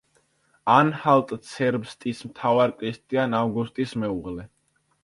ანჰალტ-ცერბსტის მთავარ კრისტიან ავგუსტის მეუღლე.